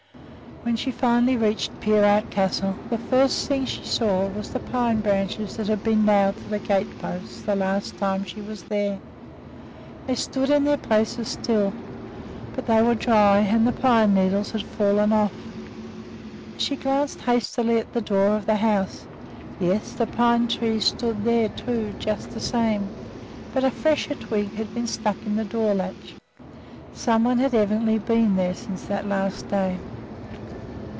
When she finally reached Peerout Castle the first thing she saw was the pine branches that had been nailed to the gateposts the last time she was there. They stood in their places still, but they were dry, and the pine needles had fallen off. She glanced hastily at the door of the house. Yes, the pine trees stood there, too, just the same, but a fresher twig had been stuck in the doorlatch, some one had evidently been there since that last day.